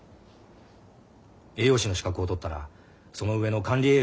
栄養士の資格を取ったらその上の管理栄養士も取れ。